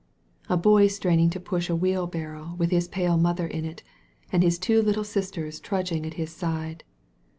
A boy straining to push a wheelbarrow with his pale mother in it, and his two little sisters trudging at his side.